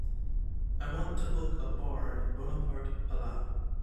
I want to book a bar in Bonaparte Palau.